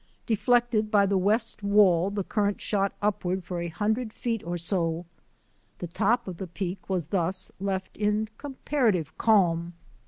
Deflected by the west wall, the current shot upward for a hundred feet or so. The top of the Peak was thus left in comparative calm.